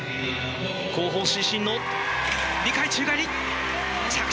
後方伸身の２回宙返り。